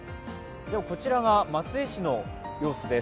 こちらが松江市の様子です。